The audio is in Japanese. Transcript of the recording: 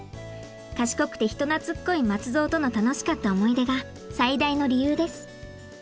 賢くて人懐っこい松蔵との楽しかった思い出が最大の理由です。